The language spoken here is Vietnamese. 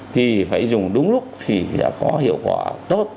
thì phải dùng đúng lúc thì đã có hiệu quả tốt